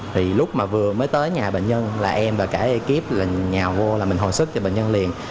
thì lúc mà vừa mới tới nhà bệnh nhân là em và cả ekip là nhào vô là mình hồi sức cho bệnh nhân liền